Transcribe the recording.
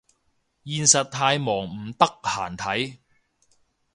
現實太忙唔得閒睇